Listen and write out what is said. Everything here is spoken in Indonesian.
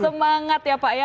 semangat ya pak ya